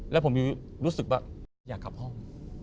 และผมรู้สึกว่าอยากขับห้อง